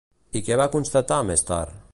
I què va constatar més tard?